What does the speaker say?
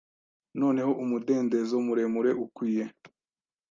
Noneho umudendezo muremure ukwiye